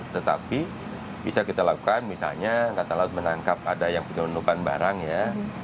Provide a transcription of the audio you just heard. tetapi bisa kita lakukan misalnya angkatan laut menangkap ada yang penyelundupan barang ya